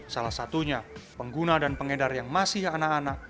salah satunya pengguna dan pengedar yang masih anak anak